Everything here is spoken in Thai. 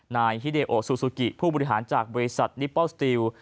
นายฮิเดโอซูซูกิผู้บริหารจากบริษัทนิปอลสติล